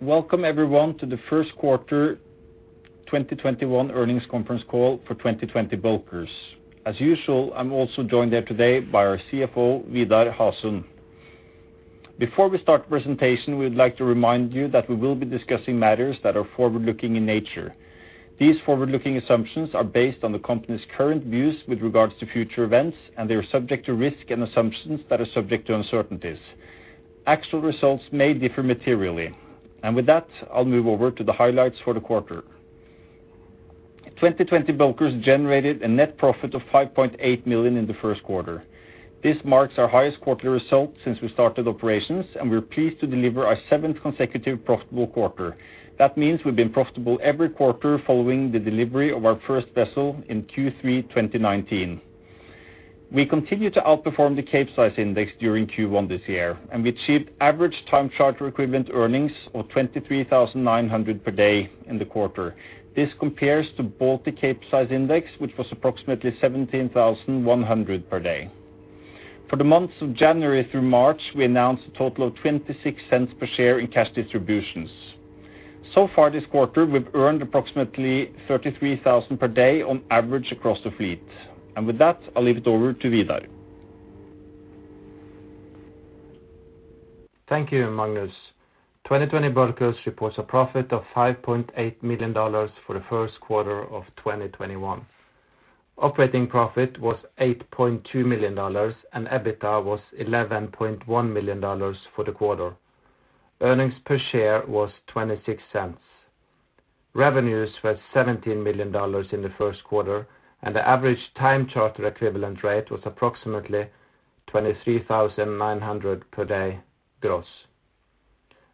Welcome everyone to the First Quarter 2021 Earnings Conference Call for 2020 Bulkers. As usual, I'm also joined here today by our Chief Financial Officer, Vidar Hasund. Before we start the presentation, we would like to remind you that we will be discussing matters that are forward-looking in nature. These forward-looking assumptions are based on the company's current views with regards to future events. They are subject to risk and assumptions that are subject to uncertainties. Actual results may differ materially. With that, I'll move over to the highlights for the quarter. 2020 Bulkers generated a net profit of $5.8 million in the first quarter. This marks our highest quarterly result since we started operations, and we're pleased to deliver our seventh consecutive profitable quarter. That means we've been profitable every quarter following the delivery of our first vessel in Q3 2019. We continued to outperform the Capesize Index during Q1 this year. We achieved average time charter equivalent earnings of $23,900 per day in the quarter. This compares to Baltic Capesize Index, which was approximately $17,100 per day. For the months of January through March, we announced a total of $0.26 per share in cash distributions. So far this quarter, we've earned approximately $33,000 per day on average across the fleet. With that, I'll leave it over to Vidar. Thank you, Magnus. 2020 Bulkers reports a profit of $5.8 million for the first quarter of 2021. Operating profit was $8.2 million, and EBITDA was $11.1 million for the quarter. Earnings per share was $0.26. Revenues were $17 million in the first quarter, and the average time charter equivalent rate was approximately $23,900 per day gross.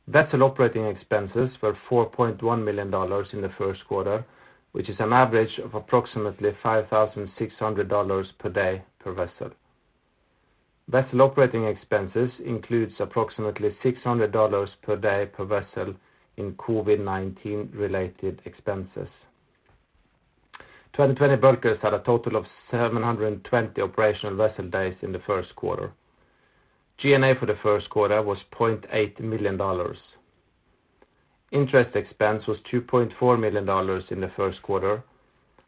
Vessel operating expenses were $4.1 million in the first quarter, which is an average of approximately $5,600 per day per vessel. Vessel operating expenses includes approximately $600 per day per vessel in COVID-19 related expenses. 2020 Bulkers had a total of 720 operational vessel days in the first quarter. G&A for the first quarter was $0.8 million. Interest expense was $2.4 million in the first quarter,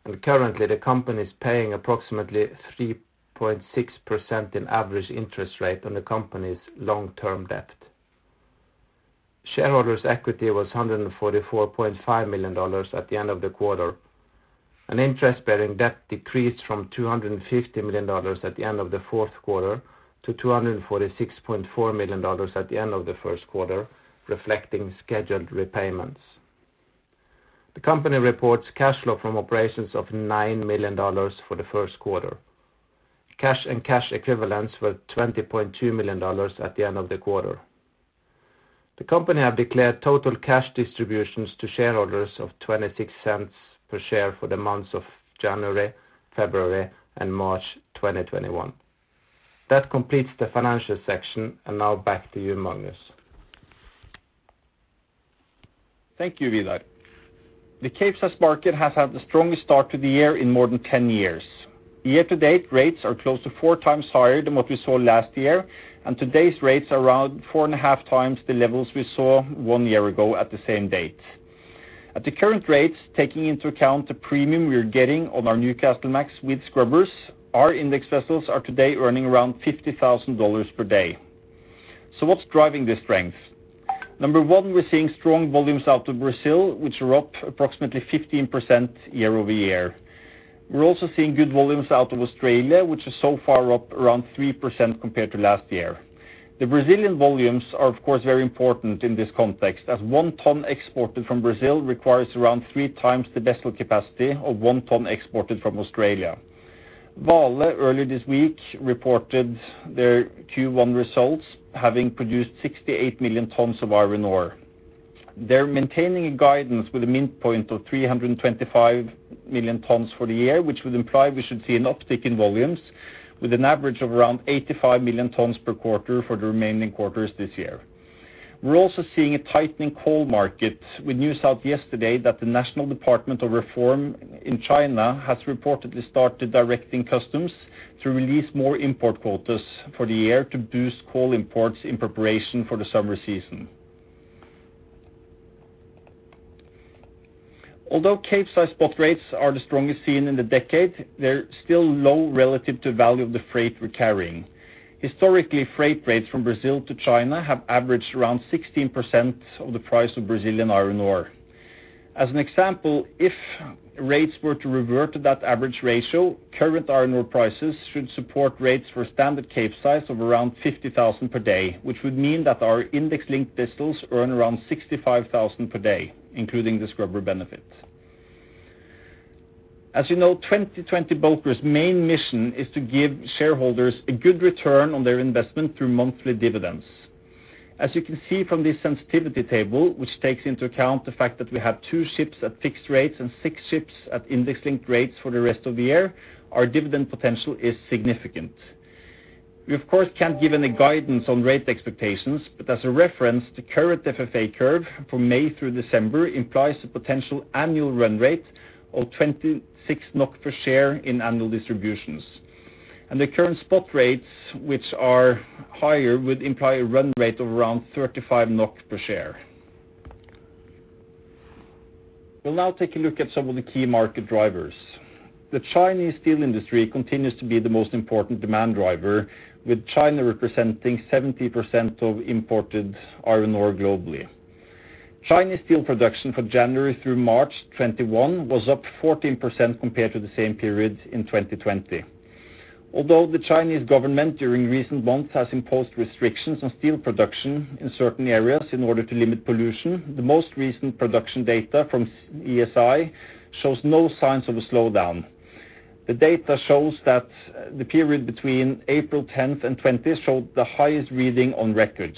and currently the company's paying approximately 3.6% in average interest rate on the company's long-term debt. Shareholders' equity was $144.5 million at the end of the quarter. Interest-bearing debt decreased from $250 million at the end of the fourth quarter to $246.4 million at the end of the first quarter, reflecting scheduled repayments. The company reports cash flow from operations of $9 million for the first quarter. Cash and cash equivalents were $20.2 million at the end of the quarter. The company have declared total cash distributions to shareholders of $0.26 per share for the months of January, February, and March 2021. That completes the financial section. Now back to you, Magnus. Thank you, Vidar. The Capesize market has had the strongest start to the year in more than 10 years. Year to date rates are close to four times higher than what we saw last year. Today's rates are around four and a half times the levels we saw one year ago at the same date. At the current rates, taking into account the premium we are getting on our Newcastlemax with scrubbers, our index vessels are today earning around $50,000 per day. What's driving this strength? Number one, we're seeing strong volumes out of Brazil, which are up approximately 15% year-over-year. We're also seeing good volumes out of Australia, which is so far up around 3% compared to last year. The Brazilian volumes are of course very important in this context, as one ton exported from Brazil requires around three times the vessel capacity of one ton exported from Australia. Vale, earlier this week, reported their Q1 results, having produced 68 million tons of iron ore. They're maintaining a guidance with a mean point of 325 million tons for the year, which would imply we should see an uptick in volumes with an average of around 85 million tons per quarter for the remaining quarters this year. We're also seeing a tightening coal market with news out yesterday that the National Development and Reform Commission in China has reportedly started directing customs to release more import quotas for the year to boost coal imports in preparation for the summer season. Although Capesize spot rates are the strongest seen in the decade, they're still low relative to the value of the freight we're carrying. Historically, freight rates from Brazil to China have averaged around 16% of the price of Brazilian iron ore. As an example, if rates were to revert to that average ratio, current iron ore prices should support rates for standard Capesize of around $50,000 per day, which would mean that our index linked vessels earn around $65,000 per day, including the scrubber benefit. As you know, 2020 Bulkers' main mission is to give shareholders a good return on their investment through monthly dividends. As you can see from this sensitivity table, which takes into account the fact that we have two ships at fixed rates and six ships at index-linked rates for the rest of the year, our dividend potential is significant. We of course can't give any guidance on rate expectations, but as a reference, the current FFA curve from May through December implies a potential annual run rate of 26 NOK per share in annual distributions. The current spot rates, which are higher, would imply a run rate of around 35 NOK per share. We'll now take a look at some of the key market drivers. The Chinese steel industry continues to be the most important demand driver, with China representing 70% of imported iron ore globally. Chinese steel production for January through March 2021 was up 14% compared to the same period in 2020. Although the Chinese government during recent months has imposed restrictions on steel production in certain areas in order to limit pollution, the most recent production data from ESI shows no signs of a slowdown. The data shows that the period between April 10th and 20th showed the highest reading on record.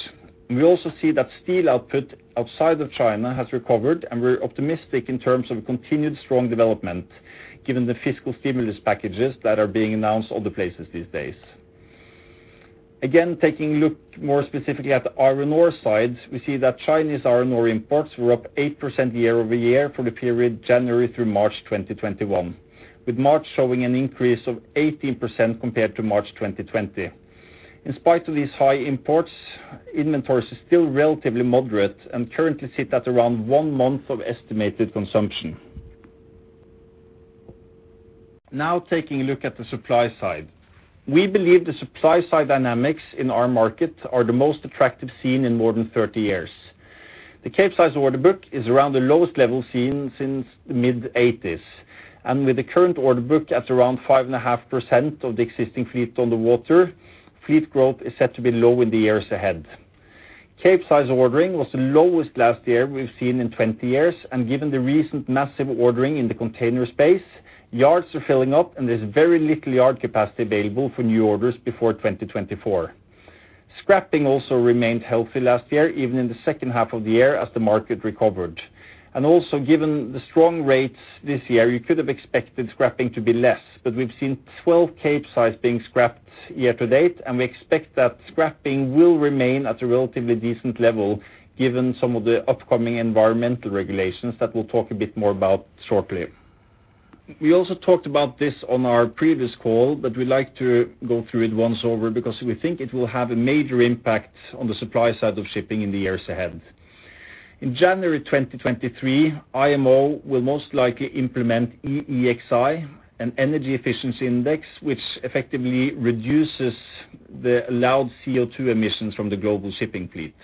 We also see that steel output outside of China has recovered. We're optimistic in terms of continued strong development given the fiscal stimulus packages that are being announced all the places these days. Taking a look more specifically at the iron ore side, we see that Chinese iron ore imports were up 8% year-over-year for the period January through March 2021, with March showing an increase of 18% compared to March 2020. In spite of these high imports, inventories are still relatively moderate and currently sit at around one month of estimated consumption. Taking a look at the supply side. We believe the supply side dynamics in our market are the most attractive seen in more than 30 years. The Capesize order book is around the lowest level seen since the mid-1980s. With the current order book at around 5.5% of the existing fleet on the water, fleet growth is set to be low in the years ahead. Capesize ordering was the lowest last year we've seen in 20 years. Given the recent massive ordering in the container space, yards are filling up and there's very little yard capacity available for new orders before 2024. Scrapping also remained healthy last year, even in the second half of the year as the market recovered. Also given the strong rates this year, you could have expected scrapping to be less. We've seen 12 Capesize being scrapped year to date. We expect that scrapping will remain at a relatively decent level given some of the upcoming environmental regulations that we'll talk a bit more about shortly. We also talked about this on our previous call, but we like to go through it once over because we think it will have a major impact on the supply side of shipping in the years ahead. In January 2023, IMO will most likely implement EEXI, an energy efficiency index, which effectively reduces the allowed CO2 emissions from the global shipping fleet.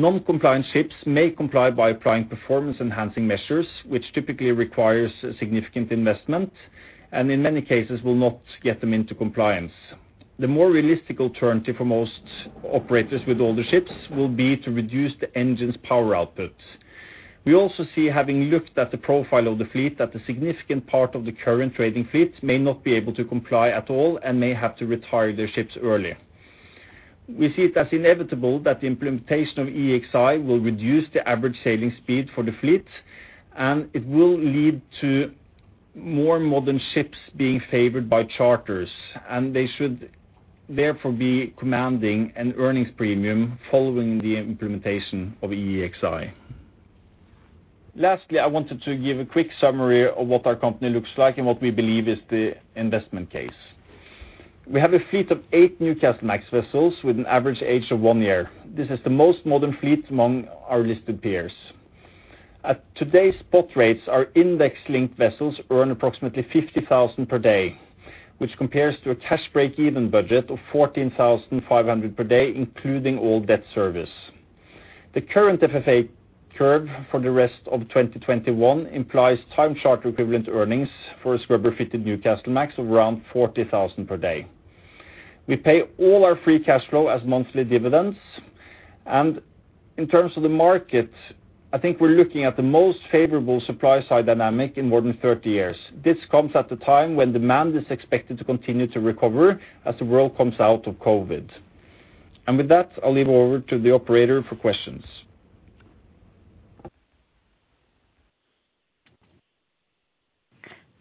Noncompliant ships may comply by applying performance-enhancing measures, which typically requires a significant investment and in many cases will not get them into compliance. The more realistic alternative for most operators with older ships will be to reduce the engine's power output. We also see, having looked at the profile of the fleet, that a significant part of the current trading fleet may not be able to comply at all and may have to retire their ships early. We see it as inevitable that the implementation of EEXI will reduce the average sailing speed for the fleet, and it will lead to more modern ships being favored by charters, and they should therefore be commanding an earnings premium following the implementation of EEXI. Lastly, I wanted to give a quick summary of what our company looks like and what we believe is the investment case. We have a fleet of eight Newcastlemax vessels with an average age of one year. This is the most modern fleet among our listed peers. At today's spot rates, our index-linked vessels earn approximately $50,000 per day, which compares to a cash breakeven budget of $14,500 per day, including all debt service. The current FFA curve for the rest of 2021 implies time charter equivalent earnings for a scrubber-fitted Newcastlemax of around $40,000 per day. We pay all our free cash flow as monthly dividends. In terms of the market, I think we're looking at the most favorable supply-side dynamic in more than 30 years. This comes at a time when demand is expected to continue to recover as the world comes out of COVID-19. With that, I'll leave over to the Operator for questions.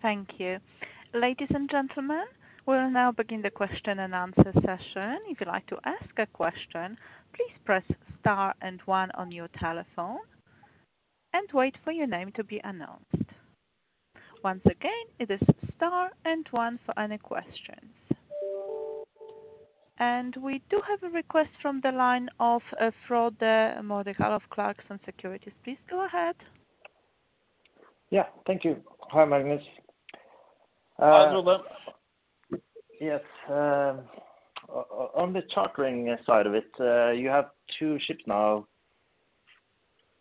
Thank you. Ladies and gentlemen, we will now begin the question and answer session. If you'd like to ask a question, please press star and one on your telephone and wait for your name to be announced. Once again, it is star and one for any questions. We do have a request from the line of Frode Mørkedal of Clarksons Securities. Please go ahead. Yeah, thank you. Hi, Magnus. Hi, Frode. Yes. On the chartering side of it, you have two ships now,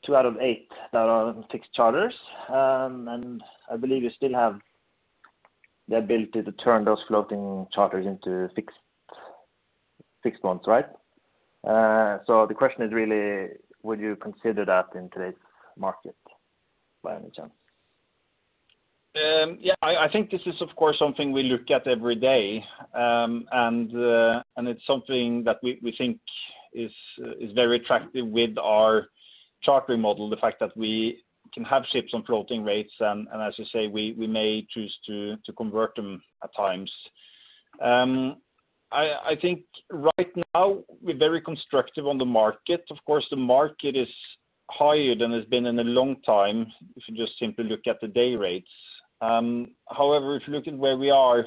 two out of eight that are on fixed charters. I believe you still have the ability to turn those floating charters into six months, right? The question is really, would you consider that in today's market, by any chance? Yeah, I think this is, of course, something we look at every day. It's something that we think is very attractive with our chartering model, the fact that we can have ships on floating rates and as you say, we may choose to convert them at times. I think right now we are very constructive on the market. Of course, the market is higher than it's been in a long time, if you just simply look at the day rates. However, if you look at where we are,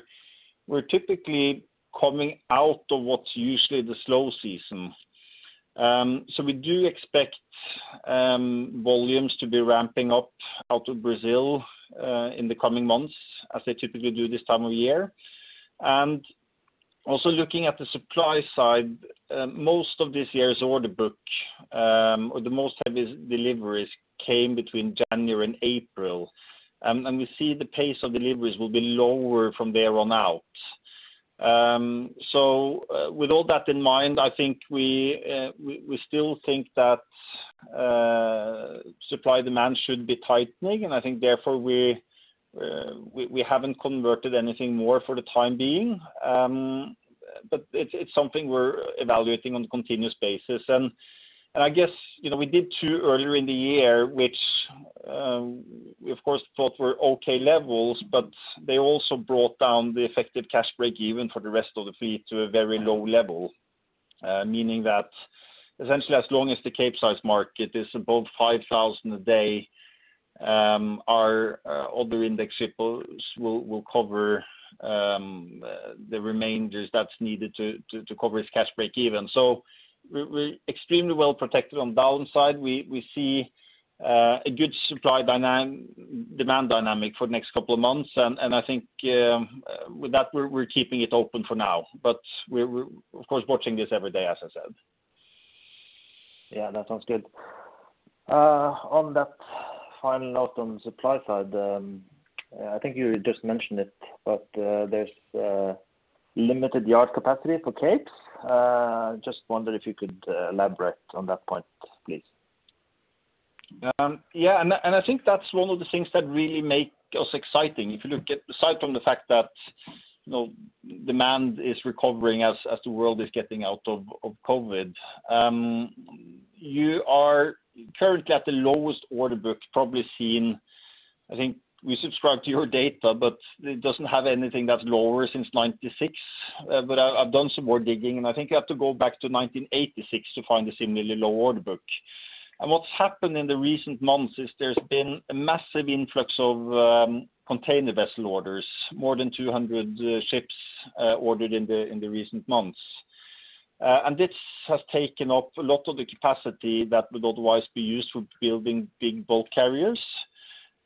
we are typically coming out of what's usually the slow season. We do expect volumes to be ramping up out of Brazil in the coming months as they typically do this time of year. Also looking at the supply side, most of this year's order book, or the most heaviest deliveries came between January and April. We see the pace of deliveries will be lower from there on out. With all that in mind, we still think that supply-demand should be tightening, and I think therefore we haven't converted anything more for the time being. It's something we're evaluating on a continuous basis. I guess we did two earlier in the year, which we of course thought were okay levels, but they also brought down the effective cash breakeven for the rest of the fleet to a very low level. Meaning that essentially as long as the Capesize market is above $5,000 a day, our other index ships will cover the remainders that's needed to cover its cash breakeven. We are extremely well protected on the downside. We see a good supply demand dynamic for the next couple of months. I think with that we're keeping it open for now. We of course watching this every day, as I said. Yeah, that sounds good. On that final note on the supply side, I think you just mentioned it, but there is limited yard capacity for Capes. Just wondered if you could elaborate on that point, please. I think that's one of the things that really make us exciting. Aside from the fact that demand is recovering as the world is getting out of COVID-19. You are currently at the lowest order book probably seen, I think we subscribe to your data, but it doesn't have anything that's lower since 1996. I've done some more digging, and I think you have to go back to 1986 to find a similarly low order book. What's happened in the recent months is there's been a massive influx of container vessel orders. More than 200 ships ordered in the recent months. This has taken up a lot of the capacity that would otherwise be used for building big bulk carriers.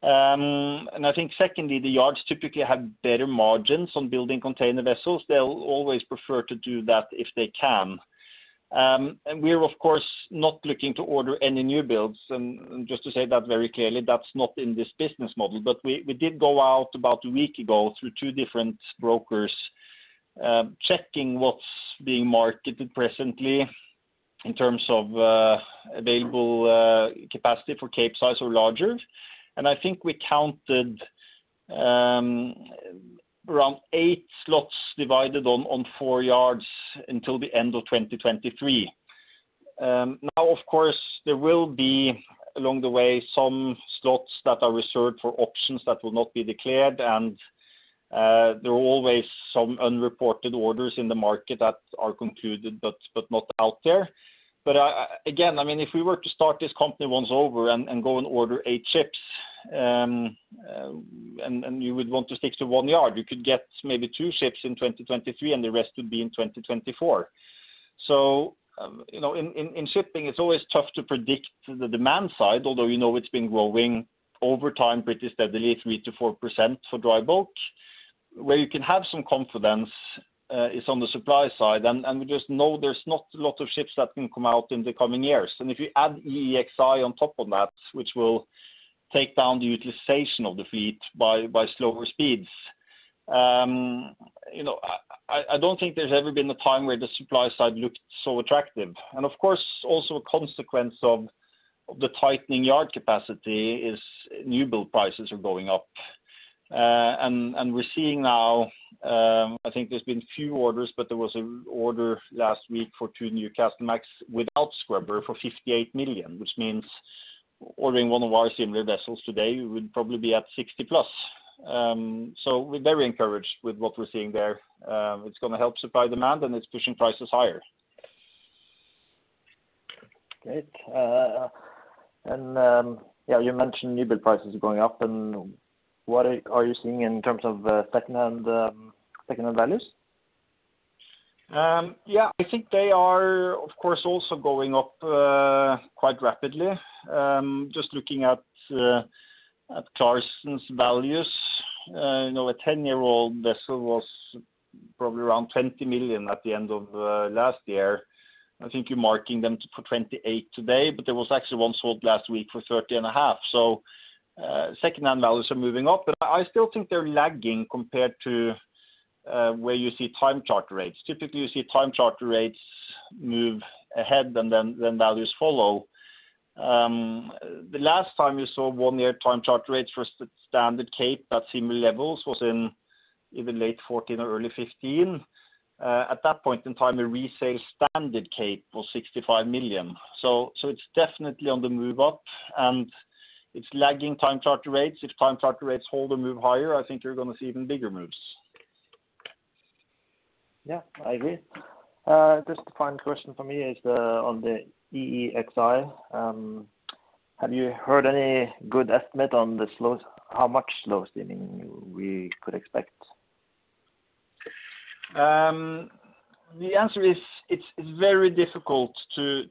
I think secondly, the yards typically have better margins on building container vessels. They'll always prefer to do that if they can. We are of course not looking to order any new builds. Just to say that very clearly, that's not in this business model. We did go out about a week ago through two different brokers, checking what's being marketed presently in terms of available capacity for Capesize or larger. I think we counted around eight slots divided on four yards until the end of 2023. Now of course there will be along the way some slots that are reserved for options that will not be declared and there are always some unreported orders in the market that are concluded but not out there. Again, if we were to start this company once over and go and order eight ships, and you would want to stick to one yard, you could get maybe two ships in 2023 and the rest would be in 2024. In shipping it's always tough to predict the demand side although you know it's been growing over time pretty steadily 3%-4% for dry bulk. Where you can have some confidence is on the supply side and we just know there's not a lot of ships that can come out in the coming years. If you add EEXI on top of that which will take down the utilization of the fleet by slower speeds. I don't think there's ever been a time where the supply side looked so attractive. Of course, also a consequence of the tightening yard capacity is new build prices are going up. We are seeing now, I think there's been few orders but there was an order last week for two new Newcastlemax without scrubbers for $58 million which means ordering one of our similar vessels today would probably be at $60+. We're very encouraged with what we're seeing there. It's going to help supply demand and it's pushing prices higher. Great. You mentioned new build prices are going up and what are you seeing in terms of secondhand values? Yeah, I think they are of course also going up quite rapidly. Just looking at Clarksons' values, a 10-year-old vessel was probably around $20 million at the end of last year. I think you're marking them for $28 million today but there was actually one sold last week for $30.5 million so secondhand values are moving up but I still think they are lagging compared to where you see time charter rates. Typically you see time charter rates move ahead and then values follow. The last time you saw one-year time charter rates for a standard Capesize at similar levels was in either late 2014 or early 2015. At that point in time a resale standard Capesize was $65 million so it's definitely on the move up and it's lagging time charter rates. If time charter rates hold or move higher, I think you're going to see even bigger moves. Yeah, I agree. Just a final question from me is on the EEXI. Have you heard any good estimate on how much slow steaming we could expect? The answer is it's very difficult to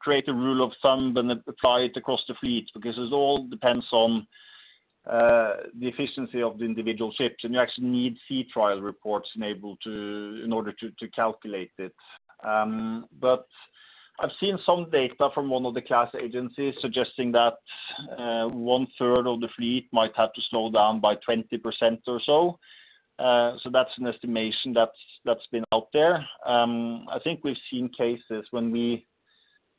create a rule of thumb and apply it across the fleet because this all depends on the efficiency of the individual ships, and you actually need sea trial reports enabled in order to calculate it. I've seen some data from one of the class agencies suggesting that 1/3 of the fleet might have to slow down by 20% or so. That's an estimation that's been out there. I think we've seen cases when we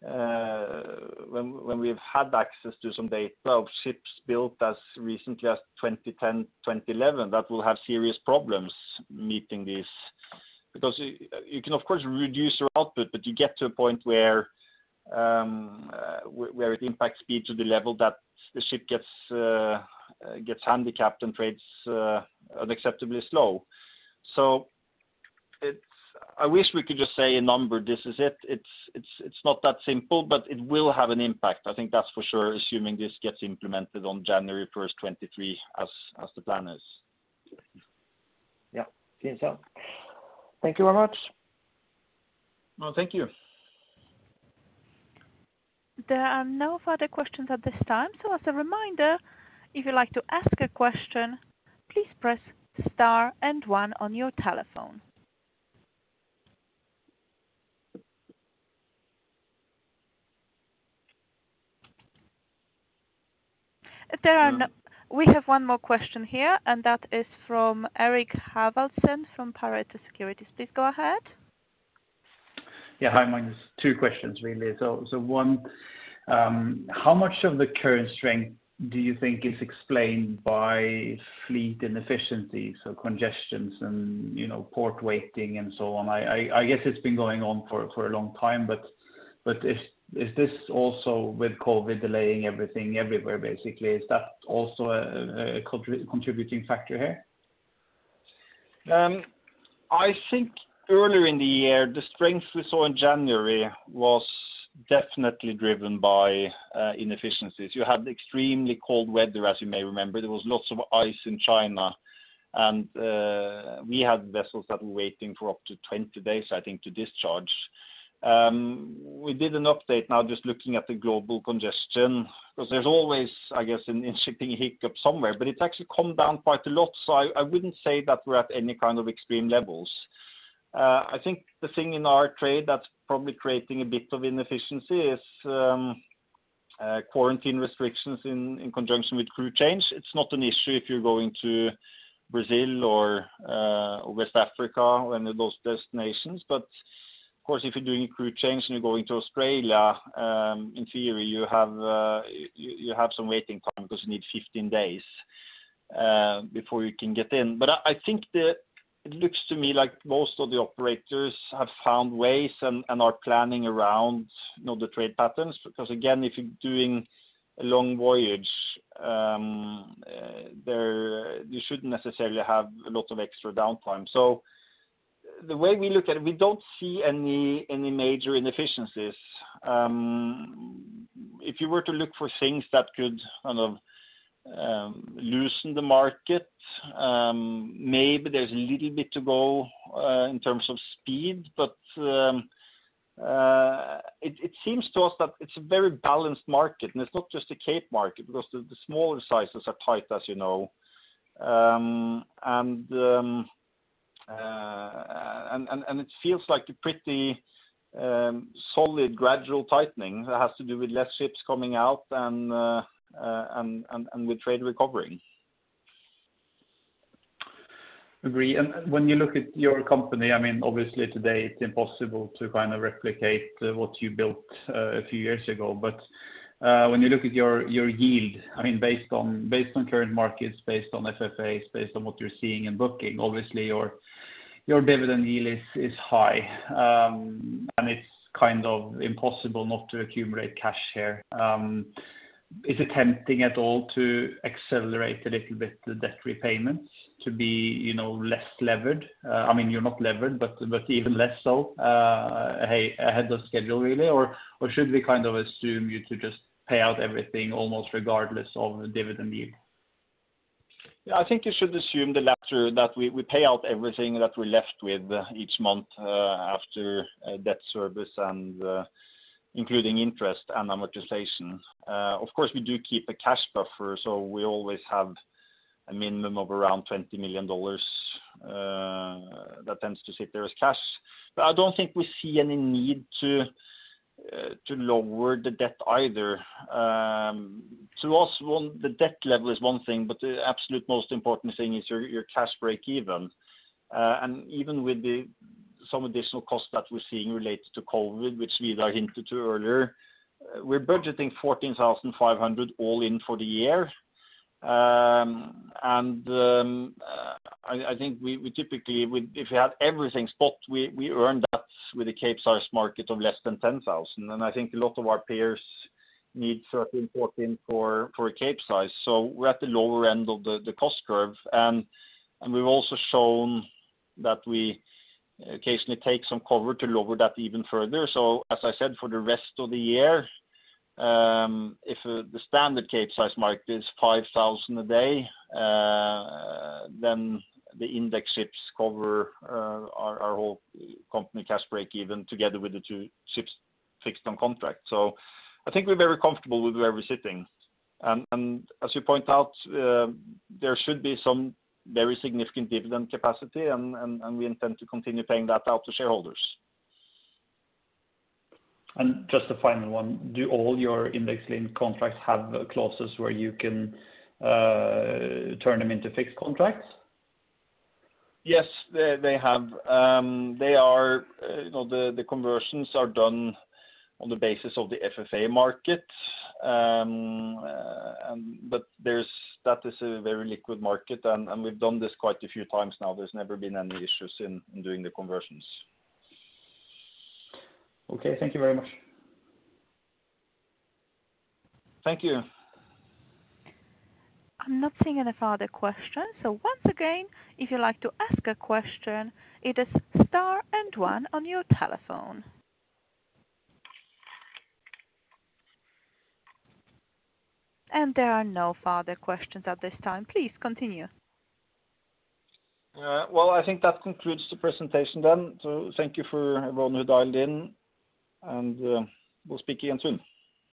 have had access to some data of ships built as recently as 2010, 2011, that will have serious problems meeting this because you can of course reduce your output, but you get to a point where it impacts speed to the level that the ship gets handicapped and trades unacceptably slow. I wish we could just say a number, this is it. It's not that simple, but it will have an impact. I think that's for sure, assuming this gets implemented on January 1st, 2023, as the plan is. Yeah. Seems so. Thank you very much. No, thank you. There are no further questions at this time. As a reminder, if you'd like to ask a question, please press Star and One on your telephone. We have one more question here. That is from Eirik Haavaldsen from Pareto Securities. Please go ahead. Yeah. Hi, Magnus. Two questions really. One, how much of the current strength do you think is explained by fleet inefficiency? Congestions and port waiting and so on. I guess it's been going on for a long time. Is this also with COVID delaying everything everywhere, basically? Is that also a contributing factor here? I think earlier in the year, the strength we saw in January was definitely driven by inefficiencies. You had extremely cold weather, as you may remember. There was lots of ice in China. We had vessels that were waiting for up to 20 days, I think, to discharge. We did an update now just looking at the global congestion, because there's always, I guess, in shipping, a hiccup somewhere, but it's actually calmed down quite a lot. I wouldn't say that we're at any kind of extreme levels. I think the thing in our trade that's probably creating a bit of inefficiency is quarantine restrictions in conjunction with crew change. It's not an issue if you're going to Brazil or West Africa, any of those destinations. Of course, if you're doing a crew change and you're going to Australia, in theory you have some waiting time because you need 15 days before you can get in. I think it looks to me like most of the operators have found ways and are planning around the trade patterns because, again, if you're doing a long voyage you shouldn't necessarily have a lot of extra downtime. The way we look at it, we don't see any major inefficiencies. If you were to look for things that could loosen the market maybe there's a little bit to go in terms of speed, but it seems to us that it's a very balanced market and it's not just the Capesize market because the smaller sizes are tight, as you know. It feels like a pretty solid, gradual tightening that has to do with less ships coming out and the trade recovering. Agree. When you look at your company, obviously today it is impossible to replicate what you built a few years ago. When you look at your yield, based on current markets, based on FFAs, based on what you are seeing and booking, obviously your dividend yield is high. It is kind of impossible not to accumulate cash here. Is it tempting at all to accelerate a little bit the debt repayments to be less levered? You are not levered, but even less so ahead of schedule, really? Should we assume you to just pay out everything almost regardless of the dividend yield? Yeah, I think you should assume the latter, that we pay out everything that we're left with each month after debt service and including interest and amortization. Of course, we do keep a cash buffer, so we always have a minimum of around $20 million that tends to sit there as cash. I don't think we see any need to lower the debt either. To us, the debt level is one thing, but the absolute most important thing is your cash breakeven. I mean, even with some additional cost that we're seeing related to COVID-19, which Vidar Hasund hinted to earlier, we're budgeting $14,500 all in for the year. I think we typically, if you had everything spot, we earn that with a Capesize market of less than $10,000. I think a lot of our peers need $13, $14 for a Capesize. We're at the lower end of the cost curve. We've also shown that we occasionally take some cover to lower that even further. As I said, for the rest of the year if the standard Capesize market is $5,000 a day then the index ships cover our whole company cash breakeven together with the two ships fixed on contract. I think we're very comfortable with where we're sitting. As you point out there should be some very significant dividend capacity and we intend to continue paying that out to shareholders. Just a final one. Do all your index-linked contracts have clauses where you can turn them into fixed contracts? Yes. They have. The conversions are done on the basis of the FFA market. That is a very liquid market and we've done this quite a few times now. There's never been any issues in doing the conversions. Okay. Thank you very much. Thank you. I'm not seeing any further questions. Once again, if you'd like to ask a question, it is Star and One on your telephone. There are no further questions at this time. Please continue. Well, I think that concludes the presentation then. Thank you for everyone who dialed in and we'll speak again soon.